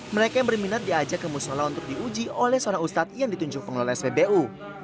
mereka yang berminat diajak ke musola untuk diuji oleh seorang ustadz yang ditunjuk pengelola spbu